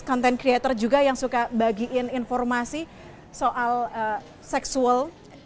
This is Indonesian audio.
content creator juga yang suka bagiin informasi soal seksual